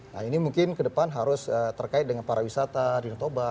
nah ini mungkin ke depan harus terkait dengan para wisata danau toba